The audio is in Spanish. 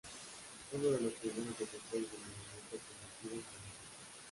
Fue uno de los primeros defensores del movimiento primitivo moderno.